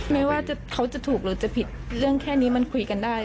ไม่ว่าเขาจะถูกหรือจะผิดเรื่องแค่นี้มันคุยกันได้